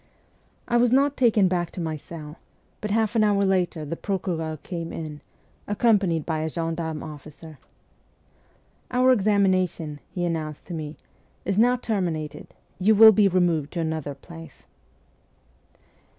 I was not taken back to my cell, but an hour later the procureur came in, accompanied by a gendarme officer. ' Our examination,' he announced to me, ' is now terminated; you will be removed to another place.'